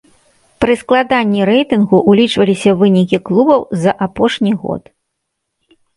Пры складанні рэйтынгу ўлічваліся вынікі клубаў за апошні год.